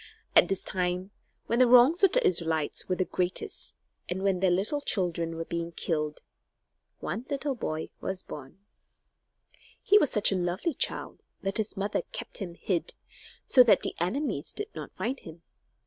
At this time, when the wrongs of the Israelites were the greatest, and when their little children were being killed, one little boy was born. [Illustration: They made the Israelites work hard] He was such a lovely child that his mother kept him hid, so that the enemies did not find him.